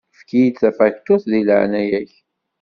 Efk-iyi-d tafakturt di leɛnaya-k.